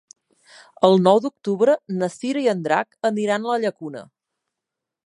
El nou d'octubre na Cira i en Drac aniran a la Llacuna.